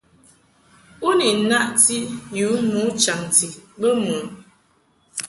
U ni naʼti yu nu chaŋti bə mɨ ?